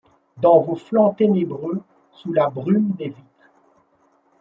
Dans vos flancs ténébreux, sous la brume des vitres